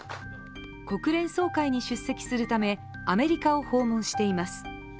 国連総会に出席するため、アメリカを訪問しています。